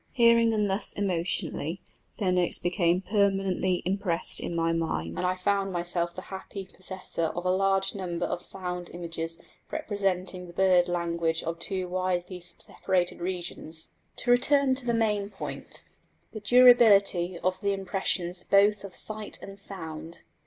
Hearing them thus emotionally their notes became permanently impressed on my mind, and I found myself the happy possessor of a large number of sound images representing the bird language of two widely separated regions. To return to the main point the durability of the impressions both of sight and sound.